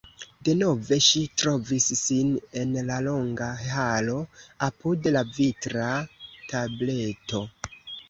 Denove ŝi trovis sin en la longa halo apud la vitra tableto.